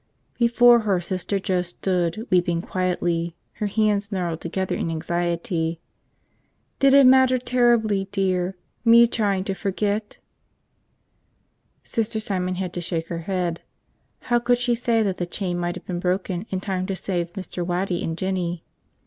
Before her Sister Joe stood, weeping quietly, her hands gnarled together in anxiety. "Did it matter terribly, dear? Me trying to forget?" Sister Simon had to shake her head. How could she say that the chain might have been broken in time to save Mr. Waddy and Jinny?